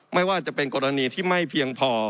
ไม่ว่าจะเป็นกรณีที่ไม่เพียงพอ